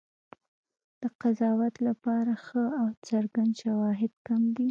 د قضاوت لپاره ښه او څرګند شواهد کم دي.